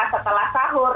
nanti pas setelah sahur